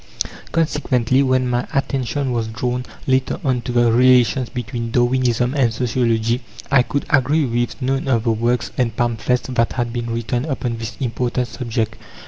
Consequently, when my attention was drawn, later on, to the relations between Darwinism and Sociology, I could agree with none of the works and pamphlets that had been written upon this important subject.